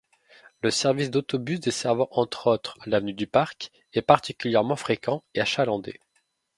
Le service d'autobus desservant entre autres l'avenue du Parc est particulièrement fréquent et achalandé.